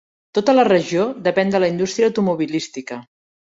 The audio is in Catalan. Tota la regió depèn de la indústria automobilística.